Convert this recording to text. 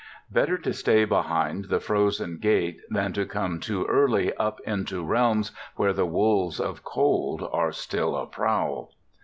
Better to stay behind the frozen gate than to come too early up into realms where the wolves of cold are still aprowl.